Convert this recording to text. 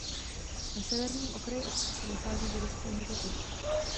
Na severním okraji obce se nachází židovský hřbitov.